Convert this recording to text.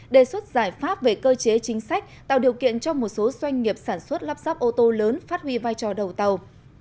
đề xuất giải pháp về cơ chế chính sách tạo điều kiện cho một số doanh nghiệp sản xuất lắp ráp ô tô lớn phát huy vai trò đầu tàu